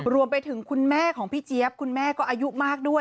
รวมไปถึงคุณแม่ของพี่เจี๊ยบคุณแม่ก็อายุมากด้วย